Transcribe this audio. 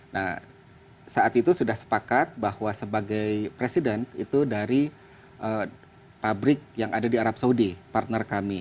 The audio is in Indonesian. nah saat itu sudah sepakat bahwa sebagai presiden itu dari pabrik yang ada di arab saudi partner kami